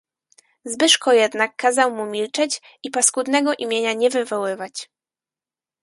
"Zbyszko jednak kazał mu milczeć i paskudnego imienia nie wywoływać."